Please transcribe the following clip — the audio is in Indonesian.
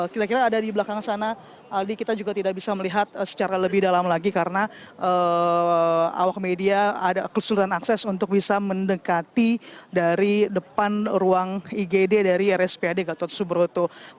kira kira ada di belakang sana aldi kita juga tidak bisa melihat secara lebih dalam lagi karena awak media ada kesulitan akses untuk bisa mendekati dari depan ruang igd dari rspad gatot subroto